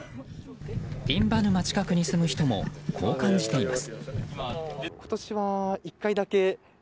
印旛沼近くに住む人もこう感じています。